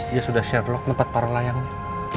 dia sudah sherlock tempat para layangnya